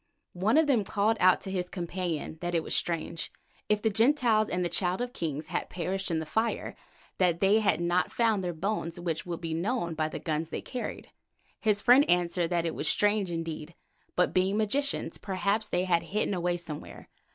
"One of them called to his companion that it was strange, if the Gentiles and the Child of Kings had perished in the fire, that they had not found their bones which would be known by the guns they carried. His friend answered that it was strange indeed, but being magicians, perhaps they had hidden away somewhere.